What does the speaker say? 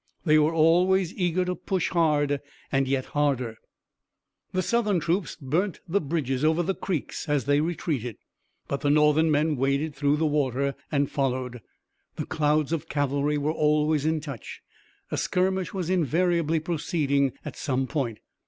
They were always eager to push hard and yet harder. The Southern troops burnt the bridges over the creeks as they retreated, but the Northern men waded through the water and followed. The clouds of cavalry were always in touch. A skirmish was invariably proceeding at some point.